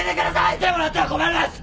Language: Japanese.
来てもらっては困ります！